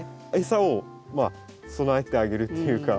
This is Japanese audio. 餌を備えてあげるっていうか。